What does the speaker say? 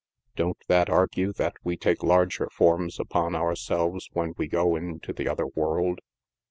" Don't that argue that we take larger forms upon ourselves when we go into the other world